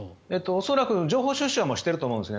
恐らく情報収集はしていると思うんです。